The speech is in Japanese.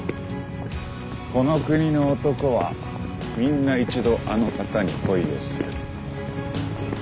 この国の男はみんな一度あの方に恋をする。